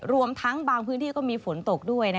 รวมทั้งบางพื้นที่ก็มีฝนตกด้วย